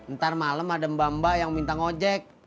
ntar malem ada mba mba yang minta ngojek